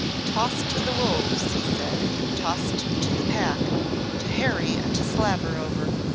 "Tossed to the wolves," he said; "tossed to the pack to harry and to slaver over!